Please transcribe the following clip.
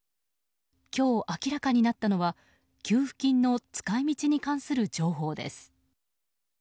今日明らかになったのは給付金の使い道に関する情報です。